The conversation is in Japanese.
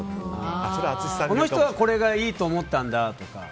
この人はこれがいいと思ったんだって。